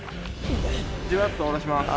じわっと下ろします。